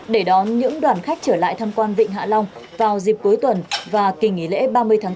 để đón những đoàn khách trở lại thăm quan vịnh hạ long vào dịp cuối tuần và kỳ nghỉ lễ ba mươi tháng bốn